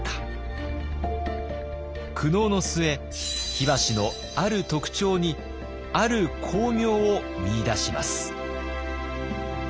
苦悩の末火箸のある特徴にある光明を見いだします。